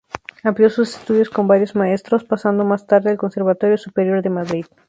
Amplió sus estudios con varios maestros, pasando más tarde al Conservatorio Superior de Madrid.